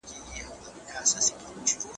هغه ويل کېدل چې جګړه نور ګټوره نه ده.